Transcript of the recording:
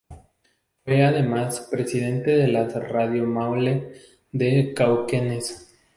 Fue además Presidente de la Radio Maule de Cauquenes.